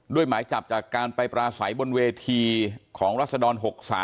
หมายจับจากการไปปราศัยบนเวทีของรัศดร๖๓